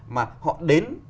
mà họ đến